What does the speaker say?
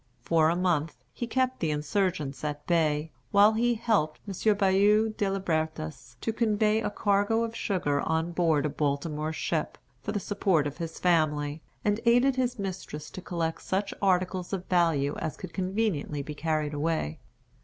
For a month, he kept the insurgents at bay, while he helped M. Bayou de Libertas to convey a cargo of sugar on board a Baltimore ship, for the support of his family, and aided his mistress to collect such articles of value as could conveniently be carried away.